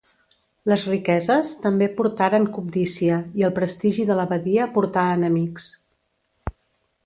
Les riqueses també portaren cobdícia, i el prestigi de l'abadia portà enemics.